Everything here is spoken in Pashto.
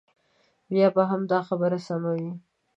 بیا به هم دا خبره سمه وي.